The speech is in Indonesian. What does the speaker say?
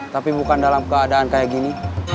tapi bukan dalam keadaan kayak gini